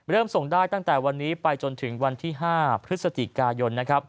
ส่งได้ตั้งแต่วันนี้ไปจนถึงวันที่๕พฤศจิกายน